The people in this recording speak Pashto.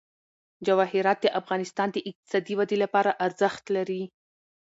جواهرات د افغانستان د اقتصادي ودې لپاره ارزښت لري.